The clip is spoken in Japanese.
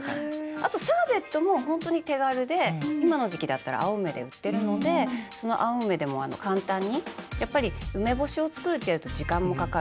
あとシャーベットも本当に手軽で今の時期だったら青梅で売ってるのでその青梅でも簡単にやっぱり梅干しを作るっていうと時間もかかる。